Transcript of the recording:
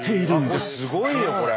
すごいよこれ。